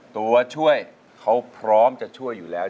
ตัวช่วยเขาพร้อมจะช่วยอยู่แล้ว